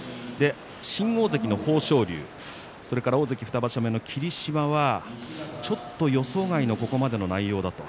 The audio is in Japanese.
新大関の豊昇龍、それから大関２場所目の霧島はちょっと予想外のここまでの内容。